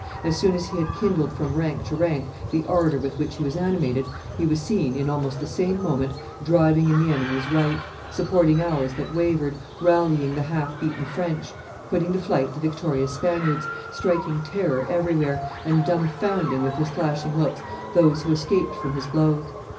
As soon as he had kindled from rank to rank the ardor with which he was animated, he was seen, in almost the same moment, driving in the enemy's right, supporting ours that wavered, rallying the half beaten French, putting to flight the victorious Spaniards, striking terror everywhere, and dumbfounding with his flashing looks those who escaped from his blows.